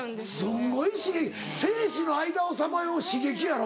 すんごい刺激生死の間をさまよう刺激やろ？